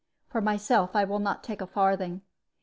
For myself I will not take a farthing.